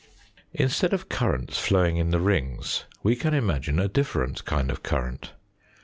Instead of currents flowing in the rings we can imagine a different kind of current.